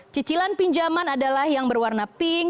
cicilan pinjaman adalah yang berwarna pink